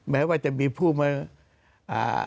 แม้ว่าจะมีผู้มาอ่า